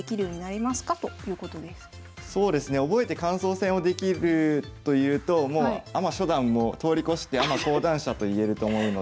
そうですね覚えて感想戦をできるというとアマ初段も通り越してアマ高段者といえると思うので。